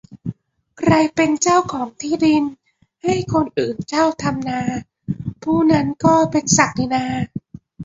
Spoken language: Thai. ใครเป็นเจ้าของที่ดินให้คนอื่นเช่าทำนา ผู้นั้นก็เป็นศักดินา